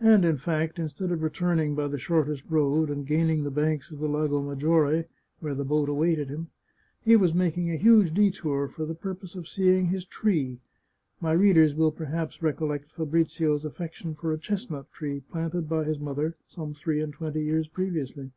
And, in fact, instead of returning by the shortest road, and gaining the banks of the Lago Maggiore, where the boat awaited him, he was making a huge detour for the pur pose of seeing his tree — my readers will perhaps recollect Fabrizio's affection for a chestnut tree planted by his mother some three and twenty years previously.